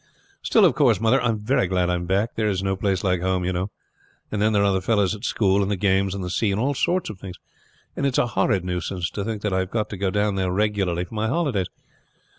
Still, of course, mother, I am very glad I am back. There is no place like home, you know; and then there are the fellows at school, and the games, and the sea, and all sorts of things; and it's a horrid nuisance to think that I have got to go down there regularly for my holidays.